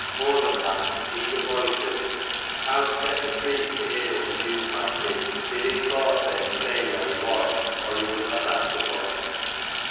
More than that, eager voices. Out stepped the priest to hear what the news might be, bidding Thorstein stay 283 where he was, or he would not answer for him.